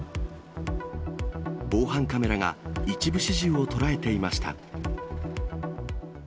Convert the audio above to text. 防犯カメラが一部始終を捉えていました。